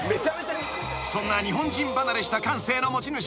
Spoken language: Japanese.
［そんな日本人離れした感性の持ち主